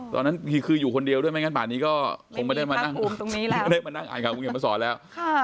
ตอนนั้นคืออยู่คนเดียวด้วยไม่งั้นภายนี้ก็ไม่ได้มานั่งอายกับคุณเขียนมาสอนแล้ว